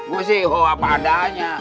gua sih ho apa adanya